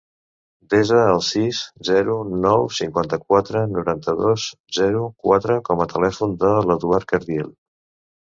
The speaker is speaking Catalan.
Desa el sis, zero, nou, cinquanta-quatre, noranta-dos, zero, quatre com a telèfon de l'Eduard Cardiel.